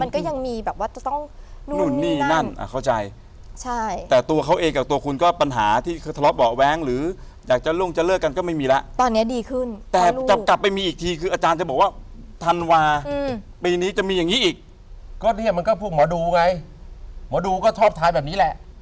มันก็ยังมีแบบว่าจะต้องนู่นนี่นั่นอ่ะเข้าใจใช่แต่ตัวเขาเองกับตัวคุณก็ปัญหาที่เขาทะเลาะเบาะแว้งหรืออยากจะล่วงจะเลิกกันก็ไม่มีแล้วตอนนี้ดีขึ้นแต่จะกลับไปมีอีกทีคืออาจารย์จะบอกว่าธันวาปีนี้จะมีอย่างงี้อีกก็เนี่ยมันก็พวกหมอดูไงหมอดูก็ชอบท้ายแบบนี้แหละ